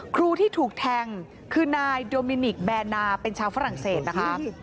ครูที่ถูกแทงคือนายโดมินิกแบนนาเป็นชาวฝรั่งเศสนะคะ